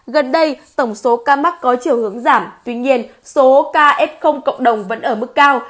gần đây tổng số ca mắc có chiều hướng giảm tuy nhiên số ca f cộng đồng vẫn ở mức cao